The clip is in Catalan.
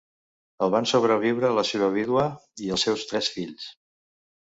El van sobreviure la seva vídua i els seus tres fills.